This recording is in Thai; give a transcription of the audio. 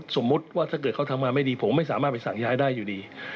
สมมุติว่าถ้าเกิดเขาทำมาไม่ดีผมไม่สามารถไปสั่งย้ายได้อยู่ดี